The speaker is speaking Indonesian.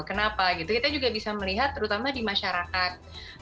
kenapa gitu kita juga bisa melihat terutama di masyarakat